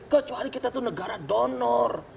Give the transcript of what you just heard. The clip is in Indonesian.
kecuali kita itu negara donor